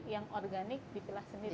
yang organik dipilah sendiri